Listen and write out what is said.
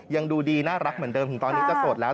ยังดูดีน่ารักเหมือนเดิมถึงตอนนี้จะโสดแล้ว